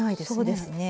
そうですね